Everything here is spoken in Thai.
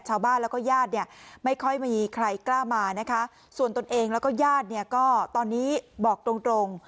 ชาวบ้านแล้วก็ญาติเนี่ยไม่ค่อยมีใครกล้ามานะคะส่วนตนเองแล้วก็ญาติเนี่ยก็ตอนนี้บอกตรงตรง